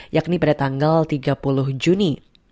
yakni pada tanggal tiga puluh juni